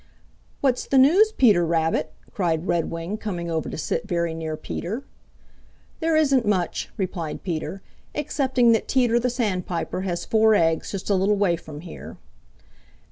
"What's the news, Peter Rabbit?" cried Redwing, coming over to sit very near Peter. "There isn't much," replied Peter, "excepting that Teeter the Sandpiper has four eggs just a little way from here."